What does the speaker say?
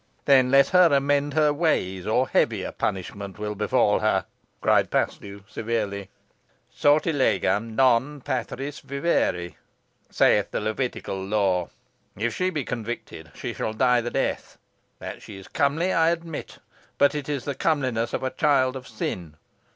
"Then let her amend her ways, or heavier punishment will befall her," cried Paslew, severely. "'Sortilegam non patieris vivere' saith the Levitical law. If she be convicted she shall die the death. That she is comely I admit; but it is the comeliness of a child of sin.